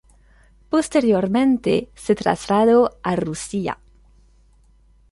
Posteriormente se trasladó a Rusia.